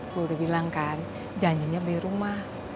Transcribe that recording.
gue udah bilang kan janjinya beli rumah bukan beli selop